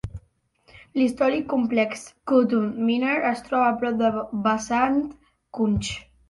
L'històric complex Qutb Minar es troba a prop de Vasant Kunj.